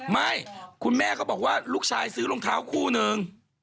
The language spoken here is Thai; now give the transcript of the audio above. คุณแม่ก็บอกว่าลูกชายซื้อรองเท้าคู่นึง